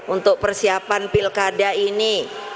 untuk persiapan pilkada ini